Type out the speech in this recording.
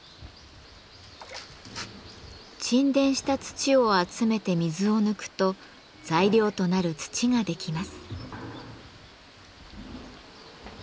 沈殿した土を集めて水を抜くと材料となる土ができます。